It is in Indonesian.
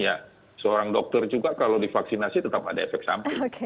ya seorang dokter juga kalau divaksinasi tetap ada efek samping